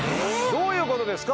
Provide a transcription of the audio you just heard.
どういうことですか？